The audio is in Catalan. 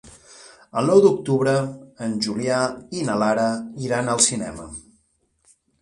El nou d'octubre en Julià i na Lara iran al cinema.